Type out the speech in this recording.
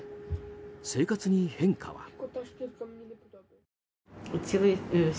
生活に変化は。